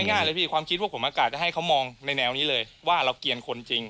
ง่ายเลยพี่ความคิดว่าผมอากาศจะให้เขามองในแนวนี้เลยว่าเราเกียรคนจริง